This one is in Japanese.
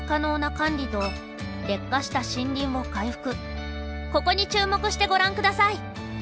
中でもここに注目してご覧ください！